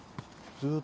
ずっと。